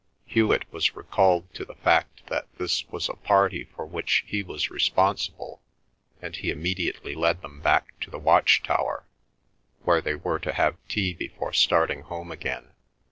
Hewet was recalled to the fact that this was a party for which he was responsible, and he immediately led them back to the watch tower, where they were to have tea before starting home again.